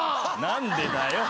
何でだよ！